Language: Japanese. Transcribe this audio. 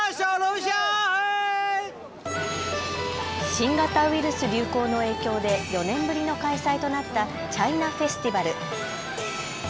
新型ウイルス流行の影響で４年ぶりの開催となったチャイナ・フェスティバル。